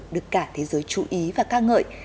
được cả thế giới chú ý và ca ngợi